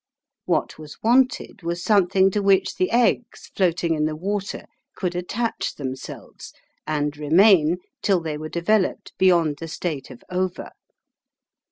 What was wanted was something to which the eggs, floating in the water, could attach themselves, and remain till they were developed beyond the state of ova.